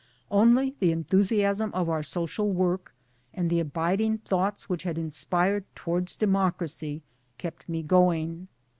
Only the enthusiasm of our social work, and the abiding thoughts which had inspired Towards Democracy kept me going.